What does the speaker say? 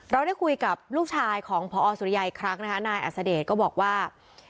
เราได้คุยกับลูกชายของพอสุริยัยอีกครั้งนะคะนายอัศเดชก็บอกว่า